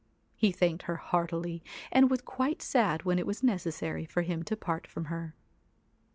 He thanked her heartily, and was quite sad when it was necessary for him to part from her.